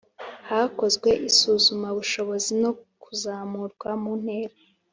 Hakozwe isuzumabushobozi no kuzamurwa mu ntera.